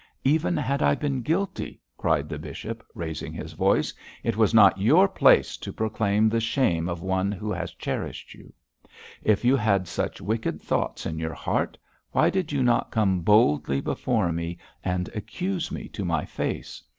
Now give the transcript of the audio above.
Even had I been guilty,' cried the bishop, raising his voice, 'it was not your place to proclaim the shame of one who has cherished you. If you had such wicked thoughts in your heart, why did you not come boldly before me and accuse me to my face?